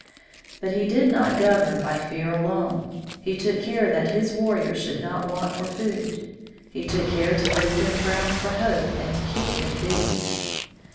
But he did not govern by fear alone. He took care that his warriors should not want for food; he took care to give them grounds for hope and to keep them busy.